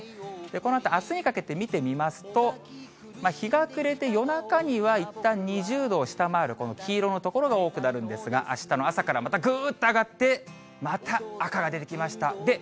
このあと、あすにかけて見てみますと、日が暮れて夜中にはいったん２０度を下回る、この黄色の所が多くなるんですが、あしたの朝からまたぐっと上がって、また赤が出てきました。